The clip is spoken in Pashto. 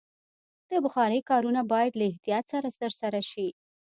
د بخارۍ کارونه باید له احتیاط سره ترسره شي.